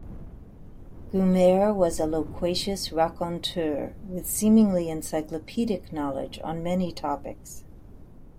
Gummere was a loquacious raconteur with seemingly encyclopedic knowledge on many topics.